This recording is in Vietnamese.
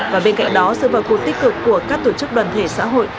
và bên cạnh đó sự vào cuộc tích cực của các tổ chức đoàn thể xã hội